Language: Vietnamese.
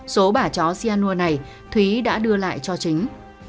số bả chó sianua này thúy đã đưa lại cho chính